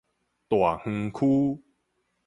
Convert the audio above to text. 大園區